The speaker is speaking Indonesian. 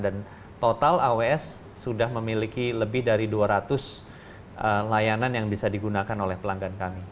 total aws sudah memiliki lebih dari dua ratus layanan yang bisa digunakan oleh pelanggan kami